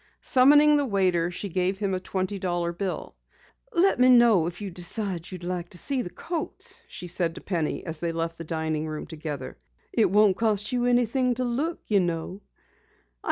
Summoning the waiter, she gave him a twenty dollar bill. "Let me know if you decide you would like to see the coats," she said to Penny as they left the dining room together. "It won't cost you anything to look, you know."